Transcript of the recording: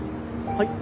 はい。